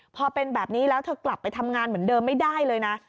พอเป็นแบบนี้แล้วเธอกลับไปทำงานเหมือนเดิมไม่ได้เลยนะ